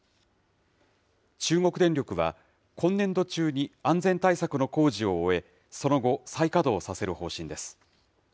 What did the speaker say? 中国電力は、今年度中に安全対策の工事を終え、その後、再稼働させる方針です。